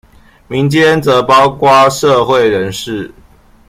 民間則包括社會人士